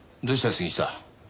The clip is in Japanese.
杉下。